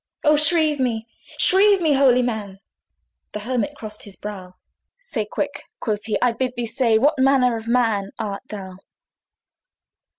"O shrieve me, shrieve me, holy man!" The Hermit crossed his brow. "Say quick," quoth he, "I bid thee say What manner of man art thou?"